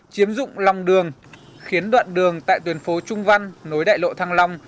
chiếm dụng lòng đường khiến đoạn đường tại tuyên phố trung văn nối đại lộ thăng long